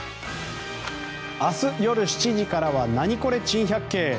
明日夜７時からは「ナニコレ珍百景」。